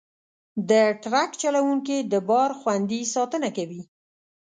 د ټرک چلوونکي د بار خوندي ساتنه کوي.